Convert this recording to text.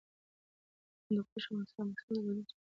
هندوکش د افغانستان د موسم د بدلون سبب کېږي.